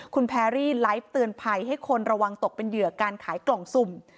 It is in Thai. คุณแพรรี่ไลฟ์เตือนภัยให้คนระวังตกเป็นเหยื่อการขายกล่องสุ่ม